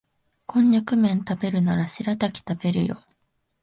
コンニャクめん食べるならシラタキ食べるよ